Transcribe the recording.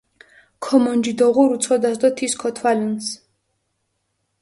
ქომონჯი დოღურუ ცოდას დო თის ქოთვალჷნს.